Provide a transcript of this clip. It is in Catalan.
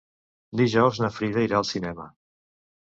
Dijous na Frida irà al cinema.